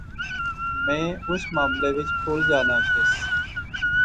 میں اس معاملے وچ الجھا ناں سیس